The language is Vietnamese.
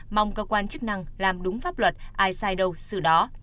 mong cơ quan chức năng làm đúng pháp luật ai sai đâu xử đó